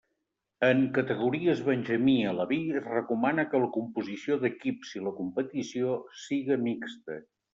En categories benjamí i aleví es recomana que la composició d'equips i la competició siga mixta.